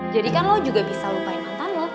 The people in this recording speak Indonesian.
jadi kan lo juga bisa lupain mantan lo